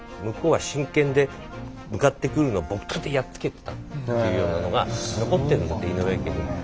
向こうは真剣で向かってくるのを木刀でやっつけてたっていうようなのが残ってるんだって井上家に。